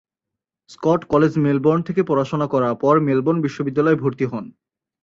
Scott College Melbourne থেকে পড়াশোনা করার পর মেলবোর্ন বিশ্ববিদ্যালয়ে ভর্তি হন।